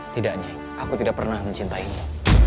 tidak nyai aku tidak pernah mencintainmu